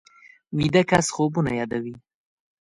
ویده کس خوبونه یادوي